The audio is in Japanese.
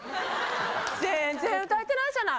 全然歌えてないじゃない。